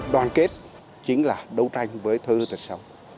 đoàn kết chính là đấu tranh với thơ hư tật sống